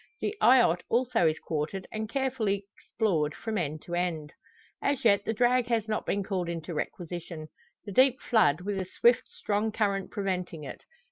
The eyot also is quartered, and carefully explored from end to end. As yet the drag has not been called into requisition; the deep flood, with a swift, strong current preventing it.